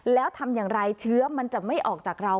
แล้วทำอย่างไรเชื้อมันจะไม่ออกจากเรา